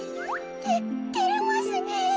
ててれますねえ。